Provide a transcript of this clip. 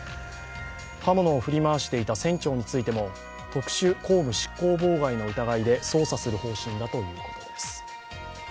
刃物を振り回していた船長についても特殊公務執行妨害の疑いで捜査する方針だということです。